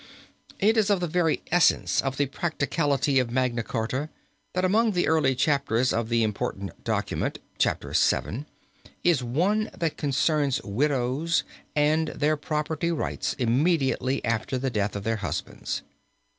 It is of the very essence of the practicality of Magna Charta that among the early chapters of the important document Chapter VII. is one that concerns widows and their property rights immediately after the death of their husbands.